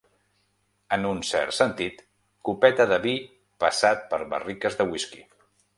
En un cert sentit, copeta de vi passat per barriques de whisky.